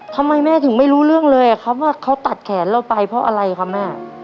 ทำไมแม่ถึงไม่รู้เรื่องเลยครับว่าเขาตัดแขนเราไปเพราะอะไรครับแม่